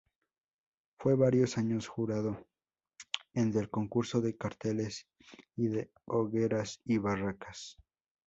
Fue varios años jurado en del concurso de carteles y de Hogueras y Barracas.